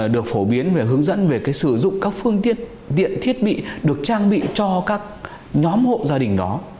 được phổ biến và hướng dẫn về sử dụng các phương tiện thiết bị được trang bị cho các nhóm hộ gia đình đó